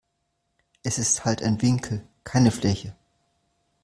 Es ist halt ein Winkel, keine Fläche.